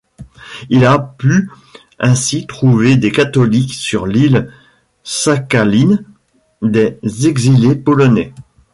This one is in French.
Il a pu ainsi trouver des catholiques sur l'île Sakhaline, des exilés polonais.